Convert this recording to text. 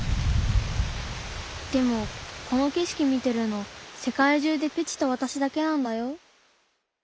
でもこのけしき見てるのせかい中でペチとわたしだけなんだよ。